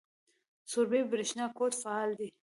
سروبي بریښنا کوټ فعال دی؟